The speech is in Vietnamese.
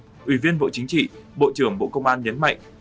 đại tướng tô lâm ủy viên bộ chính trị bộ trưởng bộ công an nhấn mạnh